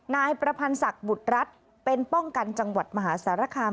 นายประพันธ์ศักดิ์บุตรรัฐเป็นป้องกันจังหวัดมหาสารคาม